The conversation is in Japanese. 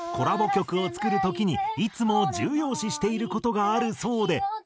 曲を作る時にいつも重要視している事があるそうで。